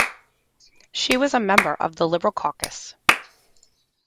She was a member of the Liberal caucus.